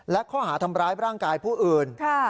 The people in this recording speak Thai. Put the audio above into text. และข้อหาทำร้ายร่างกายผู้อื่น